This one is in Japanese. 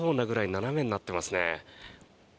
斜めになっていますね。